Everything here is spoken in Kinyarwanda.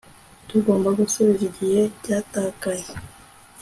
tugomba gusubiza igihe cyatakaye